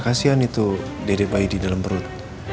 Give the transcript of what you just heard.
kasian itu dedek bayi di dalam perut